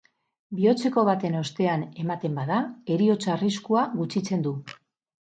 Bihotzeko baten ostean ematen bada, heriotza arriskua gutxitzen du.